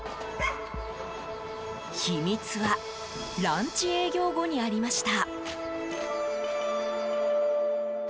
秘密はランチ営業後にありました。